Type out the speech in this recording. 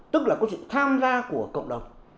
tức là có sự tham gia của cộng đồng